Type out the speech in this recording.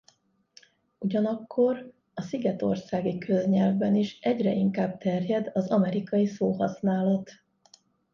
Ugyanakkor a szigetországi köznyelvben is egyre inkább terjed az amerikai szóhasználat.